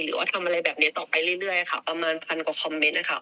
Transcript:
หรือว่าทำอะไรแบบนี้ต่อไปเรื่อยค่ะประมาณพันกว่าคอมเมนต์นะคะ